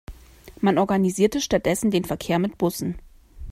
Man organisierte stattdessen den Verkehr mit Bussen.